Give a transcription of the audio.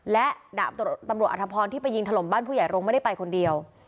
และดาบตำรวจอธพรที่ไปยิงถล่มบ้านผู้ใหญ่โรงไม่ได้ไปคนเดียว